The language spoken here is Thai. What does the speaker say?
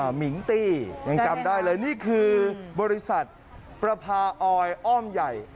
มิงตี้ยังจำได้เลยนี่คือบริษัทประพาออยอ้อมใหญ่